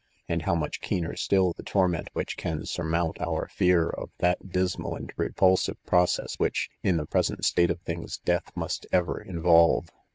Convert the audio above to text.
and how much, keener still the torment which can surmount our fear of that dismal and repulsive process which, in the present state of things, death must ever involve.